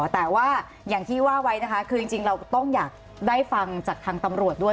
แต่ว่าอย่างที่ว่าไว้นะคะคือจริงเราต้องอยากได้ฟังจากทางตำรวจด้วย